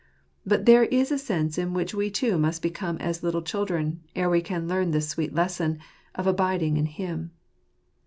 But there is a sense in which we too must become as little children, ere we can learn this sweet lesson of abiding in Him.